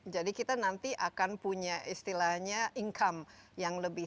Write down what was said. jadi kita nanti akan punya istilahnya income yang lebih